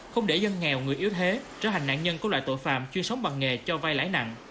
không để dân nghèo người yếu thế trở thành nạn nhân của loại tội phạm chuyên sống bằng nghề cho vai lãi nặng